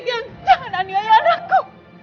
jangan anggap ayah anakku